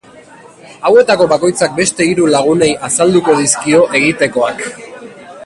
Hauetako bakoitzak beste hiru lagunei azalduko dizkio egitekoak.